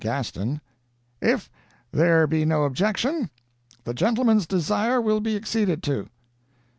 GASTON: 'If there be no objection, the gentleman's desire will be acceded to.'